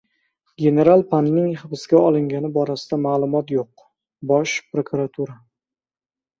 «General Panning hibsga olingani borasida ma’lumot yo‘q» — Bosh prokuratura